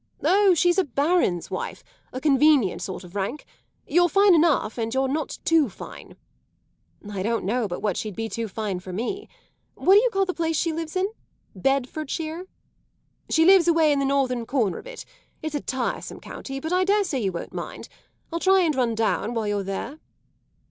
"Oh, she's a baron's wife; a convenient sort of rank. You're fine enough and you're not too fine." "I don't know but what she'd be too fine for me. What do you call the place she lives in Bedfordshire?" "She lives away in the northern corner of it. It's a tiresome country, but I dare say you won't mind it. I'll try and run down while you're there."